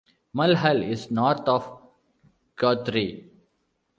Mulhall is north of Guthrie.